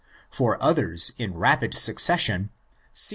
For others in rapid succession see vi.